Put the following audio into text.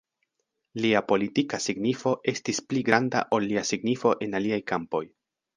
Lia politika signifo estis pli granda ol lia signifo en aliaj kampoj.